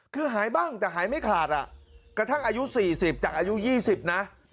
คือหายบ้างแต่หายไม่ขาดกระทั่งอายุ๔๐จากอายุ๒๐นะ